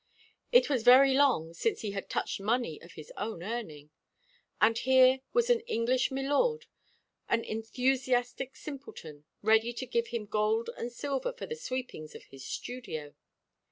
It was very long since he had touched money of his own earning. And here was an English milord, an enthusiastic simpleton, ready to give him gold and silver for the sweepings of his studio.